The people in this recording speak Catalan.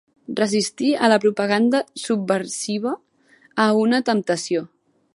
Resistir a la propaganda subversiva, a una temptació.